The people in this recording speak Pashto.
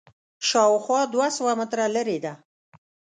شاوخوا دوه سوه متره لرې ده.